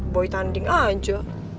boy tanding aja